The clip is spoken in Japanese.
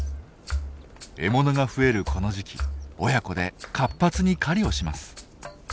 獲物が増えるこの時期親子で活発に狩りをします。